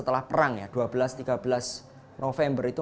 melakukan perasaan yang pitam